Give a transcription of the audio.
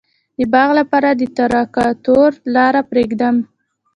د باغ لپاره د تراکتور لاره پریږدم؟